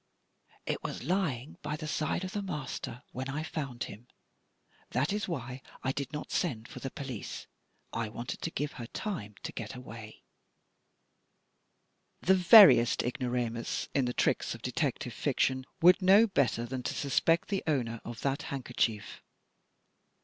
" It was lying by the side of the master when I found him. That is why I did not send for the police. I wanted to give her time to get away." 174 THE TECHNIQUE OF THE MYSTERY STORY The veriest ignoramus in the tricks of Detective Fiction would know better than to suspect the owner of that hand kerchief!